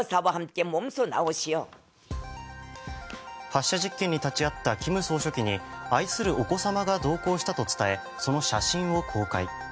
発射実験に立ち会った金総書記に愛するお子様が同行したと伝えその写真を公開。